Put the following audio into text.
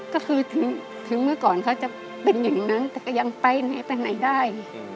ก็คือถึงเมื่อก่อนเขาจะเป็นอย่างนั้นแต่ก็ยังไปไหนไปไหนได้